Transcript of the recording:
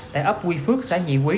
tại ấp quy phước xã nhị quý